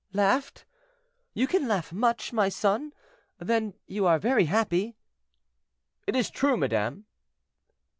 "Laughed! you can laugh much, my son; then you are very happy?" "It is true, madame."